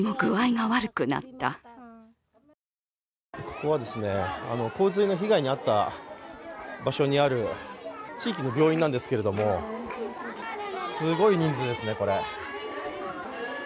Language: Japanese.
ここは洪水の被害に遭った場所にある地域の病院なんですけどすごい人数ですね、これ。